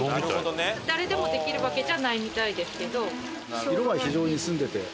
誰でもできるわけじゃないみたいですけど。